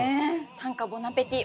「短歌ボナペティ」